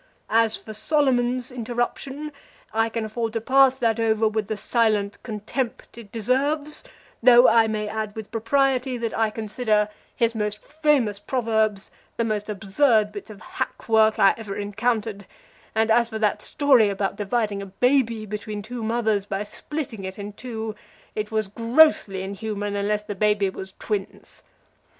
As for Solomon's interruption, I can afford to pass that over with the silent contempt it deserves, though I may add with propriety that I consider his most famous proverbs the most absurd bits of hack work I ever encountered; and as for that story about dividing a baby between two mothers by splitting it in two, it was grossly inhuman unless the baby was twins.